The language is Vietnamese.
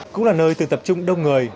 cũng là nơi từng tập trung đông người